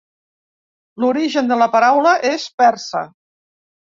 L'origen de la paraula és persa.